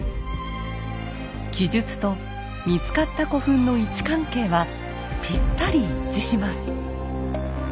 記述と見つかった古墳の位置関係はぴったり一致します。